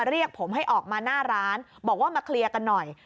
เรียกผมให้ออกมาหน้าร้านบอกว่ามาเคลียร์กันหน่อย